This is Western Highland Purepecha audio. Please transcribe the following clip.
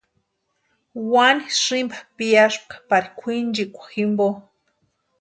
Wani sïmpa piaska pari kwʼinchikwa jimpo.